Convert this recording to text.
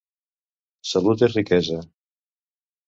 Salut és riquesa.